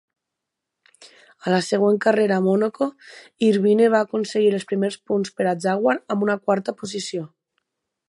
A la següent carrera a Mònaco, Irvine va aconseguir els primers punts per a Jaguar amb una quarta posició.